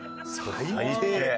最低。